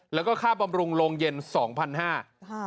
แล้วก็ค่าบำรุงโรงเย็น๒๕๐๐บาท